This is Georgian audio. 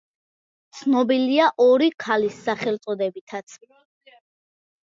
ცნობილია „ორი ქალის“ სახელწოდებითაც.